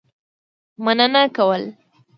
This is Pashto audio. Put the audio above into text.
مننه کول.